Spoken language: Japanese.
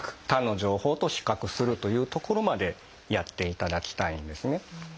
他の情報と比較するというところまでやっていただきたいんですね。